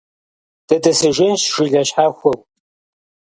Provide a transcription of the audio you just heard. ДытӀысыжынщ жылэ щхьэхуэу.